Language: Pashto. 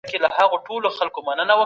دی ساده ژوند خوښوونکی و.